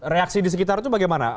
reaksi di sekitar itu bagaimana